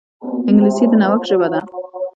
انګلیسي د نوښت ژبه ده